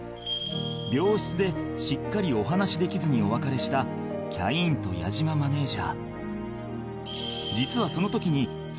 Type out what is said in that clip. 病室でしっかりお話できずにお別れしたキャインと矢島マネジャー